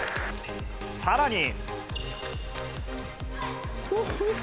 さらに。